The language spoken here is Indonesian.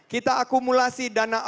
kita akumulasi dana